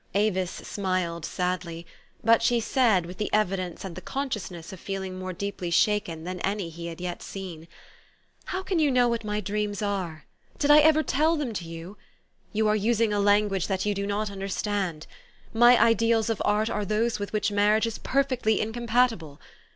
Avis smiled sadly ; but she said, with the evidence and the consciousness of feeling more deeply shaken than any he had yet seen, 126 THE STORY OF AVIS. " How can you know what my dreams are? Did I ever tell them to you ? You are using a language that you do not understand. My ideals of art are those with which marriage is perfectly incompatible.